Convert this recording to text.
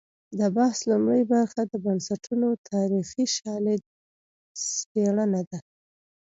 د بحث لومړۍ برخه د بنسټونو تاریخي شالید سپړنه ده.